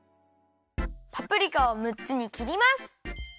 パプリカをむっつに切ります。